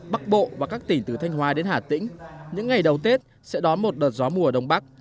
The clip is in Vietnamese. bắc bộ và các tỉnh từ thanh hóa đến hà tĩnh những ngày đầu tết sẽ đón một đợt gió mùa đông bắc